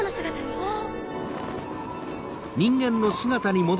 あっ！